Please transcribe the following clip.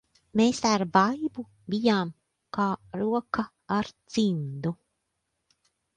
Mēs ar Baibu bijām kā roka ar cimdu.